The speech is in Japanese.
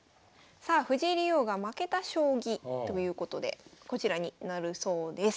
さあ藤井竜王が負けた将棋ということでこちらになるそうです。